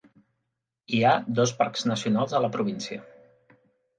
Hi ha dos parcs nacionals a la província.